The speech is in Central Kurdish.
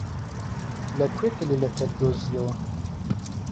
لەکوێ کلیلەکەت دۆزییەوە؟